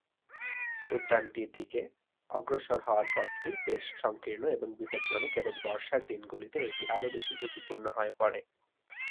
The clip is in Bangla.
উদ্যানটি দিকে অগ্রসর হওয়ার পথটি বেশ সংকীর্ণ এবং বিপজ্জনক এবং বর্ষার দিনগুলিতে এটি আরও বেশি ঝুঁকিপূর্ণ হয়ে পড়ে।